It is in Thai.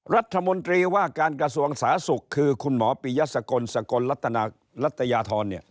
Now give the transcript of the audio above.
รัฐมนตรีว่าการกระทรวงสาธุคือคุณหมอปียสะกลสะกลลัตนาลัตยาธรเนี่ย